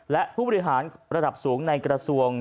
และผู้บริหารระดับสูงในกระทรวง